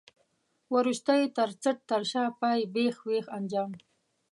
وروستی، تر څټ، تر شا، پای، بېخ، وېخ، انجام.